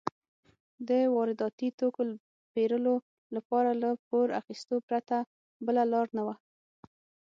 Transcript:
د وارداتي توکو پېرلو لپاره له پور اخیستو پرته بله لار نه وه.